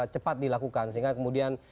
cepat dilakukan sehingga kemudian